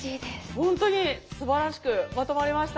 ほんとにすばらしくまとまりました。